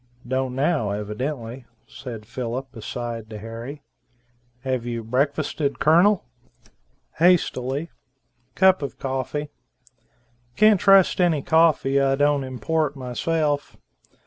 "Don't now evidently," said Philip aside to Harry. "Have you breakfasted Colonel?" "Hastily. Cup of coffee. Can't trust any coffee I don't import myself.